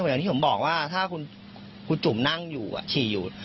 อย่างที่ผมบอกว่าถ้าคุณจุ่มนั่งอยู่ฉี่อยู่